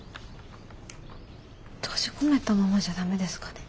閉じ込めたままじゃダメですかね。